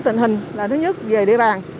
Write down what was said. tình hình là thứ nhất về địa bàn